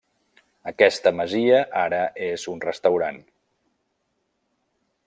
Aquesta masia ara és un restaurant.